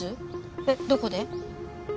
えどこで？